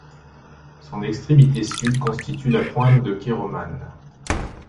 Son extrémité sud constitue la pointe de Keroman.